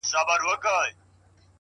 زړورتیا په عمل کې ښکاري,